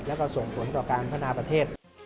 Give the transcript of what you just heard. แล้วก็ส่งผลต่อการพัฒนาประเทศ